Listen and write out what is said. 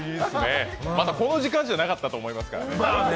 またこの時間じゃなかったと思いますからね。